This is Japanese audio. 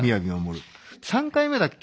３回目だっけ？